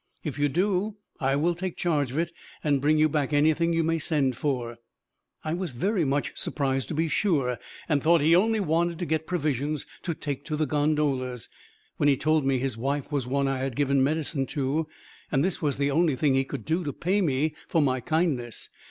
If you do, I will take charge of it and bring you back anything you may send for.' I was very much surprised, to be sure, and thought he only wanted to get provisions to take to the gondolas, when he told me his wife was one I had given medicine to, and this was the only thing he could do to pay me for my kindness.